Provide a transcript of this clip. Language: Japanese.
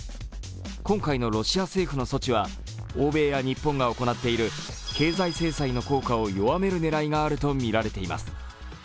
今回のロシア政府の措置は欧米や日本が行っている経済制裁の効果を弱める狙いがあるとみられています。